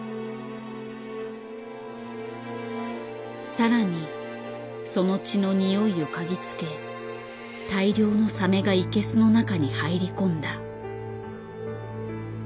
更にその血のにおいを嗅ぎつけ大量のサメがイケスの中に入り込んだ。